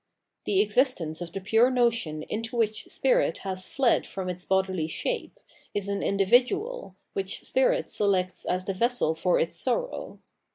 The existence of the pure notion into which spirit has fled from its bodily shape, is an individual, which spirit selects as the vessel for its sorrow.